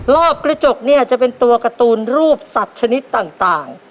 รอบกระจกเนี่ยจะเป็นตัวการ์ตูนรูปสัตว์ชนิดต่าง